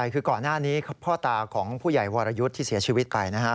คือก่อนหน้านี้พ่อตาของผู้ใหญ่วรยุทธ์ที่เสียชีวิตไปนะฮะ